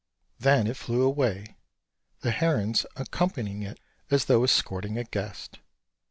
Then it flew away, the herons accompanying it as though escorting a guest.